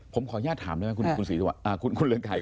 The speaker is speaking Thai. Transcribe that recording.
ผมขอแยกถามเลยนะคุณศรีสุวรรณอ่าคุณเรืองไกรขอ